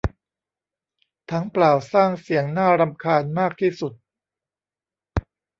ถังเปล่าสร้างเสียงน่ารำคาญมากที่สุด